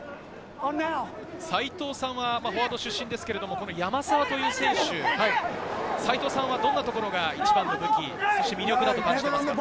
齊藤さんはフォワード出身ですけど、山沢という選手、どんなところが一番の武器、そして魅力だと感じていますか？